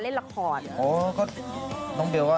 เพราะว่าใจแอบในเจ้า